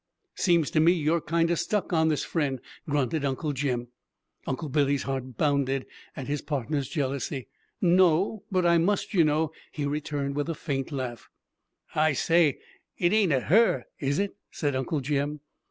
"Seems to me you're kinder stuck on this fren'," grunted Uncle Jim. Uncle Billy's heart bounded at his partner's jealousy. "No but I must, you know," he returned, with a faint laugh. "I say it ain't a her, is it?" said Uncle Jim.